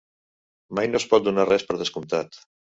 Mai no es pot donar res per descomptat.